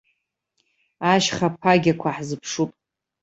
Ашьха ԥагьақәа ҳзыԥшуп.